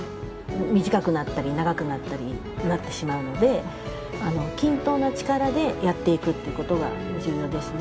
短くなったり長くなったりなってしまうので均等な力でやっていくっていう事が重要ですね。